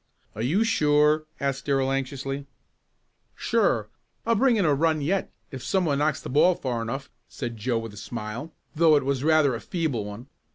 "Are you sure?" asked Darrell anxiously. "Sure, I'll bring in a run yet if some one knocks the ball far enough," said Joe with a smile, though it was rather a feeble one.